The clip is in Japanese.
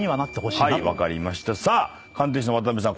さあ鑑定士の渡邉さん